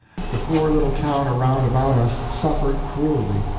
The poor little town around about us suffered cruelly.